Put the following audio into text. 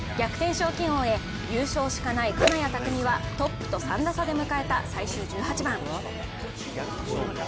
賞金王へ優勝しかない金谷拓実はトップと３打差で迎えた最終１８番。